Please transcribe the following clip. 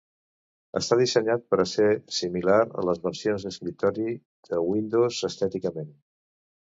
Està dissenyat per a ser similar a les versions d'escriptori de Windows estèticament.